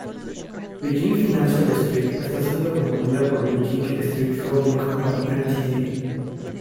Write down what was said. Beijing Financial Street está siendo promovida por Beijing Street Holding Company, Ltd.